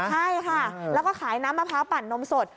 ใช่ค่ะแล้วก็ขายน้ำมะพร้าวปั่นนมสด